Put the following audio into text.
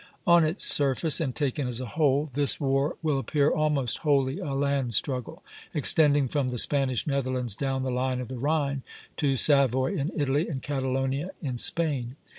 On its surface, and taken as a whole, this war will appear almost wholly a land struggle, extending from the Spanish Netherlands down the line of the Rhine, to Savoy in Italy and Catalonia in Spain.